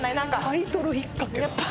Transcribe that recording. タイトル引っかけた。